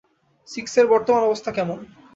সিক্সের বর্তমান অবস্থা কেমন?